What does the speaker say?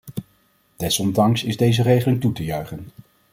Desondanks is deze regeling toe te juichen.